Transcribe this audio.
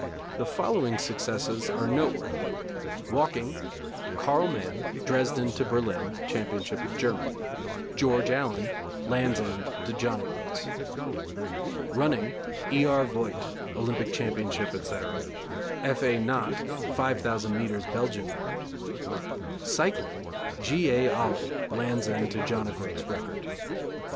The following successes are noteworthy: Walking: Karl Mann, Dresden to Berlin, Championship of Germany; George Allen, Land's End to John o' Groats. Running: E. R. Voigt, Olympic Championship, etc.: F. A. Knott, 5,000 metres Belgian record. Cycling: G. A. Olley, Land's End to John o' Groats record.